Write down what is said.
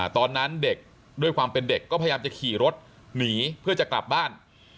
ตอนนั้นเด็กด้วยความเป็นเด็กก็พยายามจะขี่รถหนีเพื่อจะกลับบ้าน